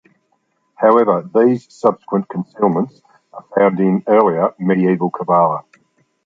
However, these subsequent concealments are found in earlier, Medieval Kabbalah.